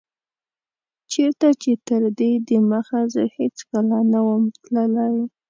چيرته چي تر دي دمخه زه هيڅکله نه وم تللی